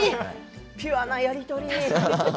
ピュアなやり取り！